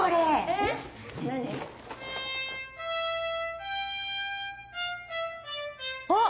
えっ？何？あっ！